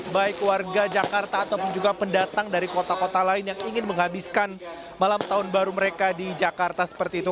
baik warga jakarta ataupun juga pendatang dari kota kota lain yang ingin menghabiskan malam tahun baru mereka di jakarta seperti itu